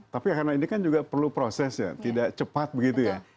tapi karena ini kan juga perlu proses ya tidak cepat begitu ya